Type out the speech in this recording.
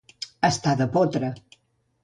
Estar de potra.